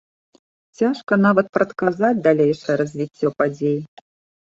Цяжка нават прадказаць далейшае развіццё падзей.